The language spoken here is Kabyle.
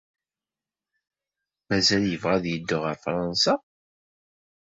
Mazal yebɣa ad yeddu ɣef Fṛansa?